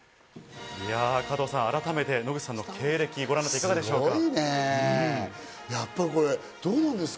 加藤さん、改めて野口さんの経歴をご覧になって、いかがでしょうか？